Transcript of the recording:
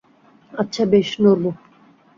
আচ্ছা বেশ, নড়ব।